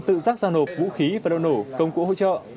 tự rác ra nộp vũ khí và đồ nổ công cụ hỗ trợ